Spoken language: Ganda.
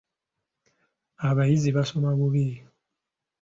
Abayizi basoma bubi.